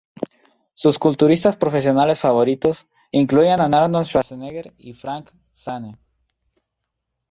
Sus culturistas profesionales favoritos incluían a Arnold Schwarzenegger y Frank Zane.